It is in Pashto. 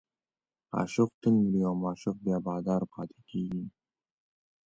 عاشق تل مریی او معشوق بیا بادار پاتې کېږي.